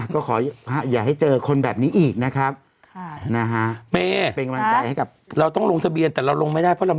คอยอยากให้เจอคนแบบนี้อีกนะครับเป็นกำลังใจให้กับเราต้องลงทะเบียนแต่เราลงไม่ได้ไหม